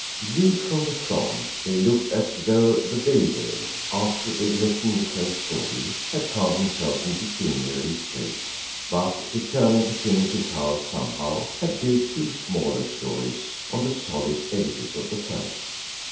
Viewed from the front, they looked as though the builder, after erecting the first story, had found himself in pecuniary straits, but, determined to finish his house somehow, had built two smaller stories on the solid edifice of the first.